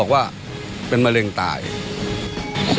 เค้าไปขุดบ้าน